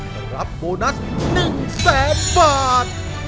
รับโบนัส๑แสนบาท